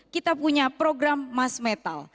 kita punya program mas metal